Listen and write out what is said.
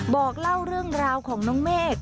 บอกเล่าเรื่องราวของน้องเมฆ